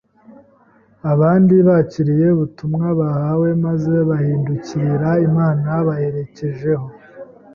Abandi bakiriye ubutumwa bahawe maze bahindukirira Imana bayerekejeho